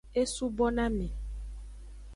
E subo na me.